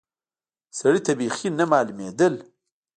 سړي ته بيخي نه معلومېدل.